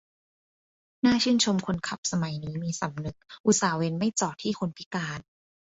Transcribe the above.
น่าชื่นชมคนขับสมัยนี้มีสำนึก อุตส่าห์เว้นไม่จอดที่คนพิการ